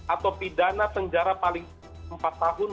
atau pidana penjara paling empat tahun